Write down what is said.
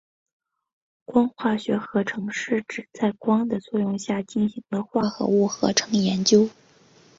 光化学合成是指在光的作用下进行的化合物合成研究。